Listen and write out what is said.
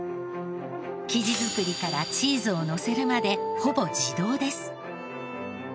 生地作りからチーズをのせるまでほぼ自動です。